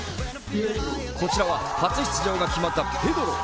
こちらは、初出場が決まったペドロ。